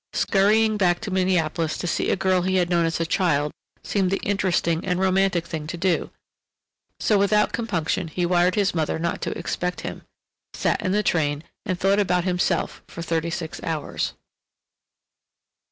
Scurrying back to Minneapolis to see a girl he had known as a child seemed the interesting and romantic thing to do, so without compunction he wired his mother not to expect him... sat in the train, and thought about himself for thirty six hours.